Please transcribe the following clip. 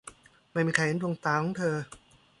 ไม่มีใครเห็นดวงตาของเธอ